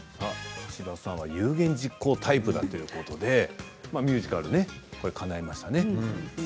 千葉さんは有言実行タイプだということでミュージカル、かないましたね。